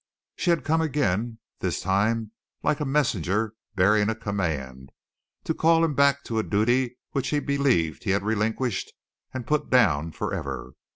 She had come again, this time like a messenger bearing a command, to call him back to a duty which he believed he had relinquished and put down forever.